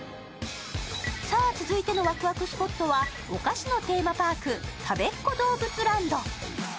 さあ続いてのワクワクスポットはお菓子のテーマパーク、たべっ子どうぶつＬＡＮＤ。